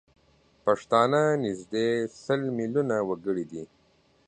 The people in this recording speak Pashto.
پښتانه نزدي سل میلیونه وګړي دي